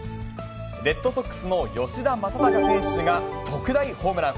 レッドソックスの吉田正尚選手が、特大ホームラン。